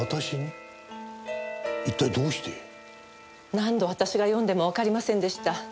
何度私が読んでもわかりませんでした。